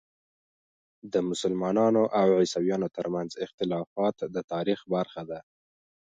د مسلمانو او عیسویانو ترمنځ اختلافات د تاریخ برخه ده.